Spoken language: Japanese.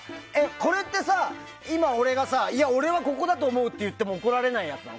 これって、今、俺が俺はここだと思うって言っても怒られないやつなの？